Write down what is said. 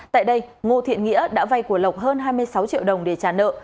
tại đây ngô thiện nghĩa đã vay của lộc hơn hai mươi sáu triệu đồng để trả nợ